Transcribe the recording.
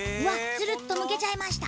ツルっとむけちゃいました。